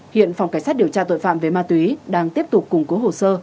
hiện phòng cảnh sát điều tra tội phạm về ma túy đang tiếp tục củng cố hồ sơ